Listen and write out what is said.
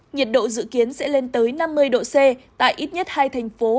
nhiệt độ dự kiến sẽ lên tới năm mươi độ c tại ít nhất hai thành phố